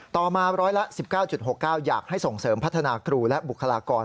ต่อมาร้อยละ๑๙๖๙อยากให้ส่งเสริมพัฒนาครูและบุคลากร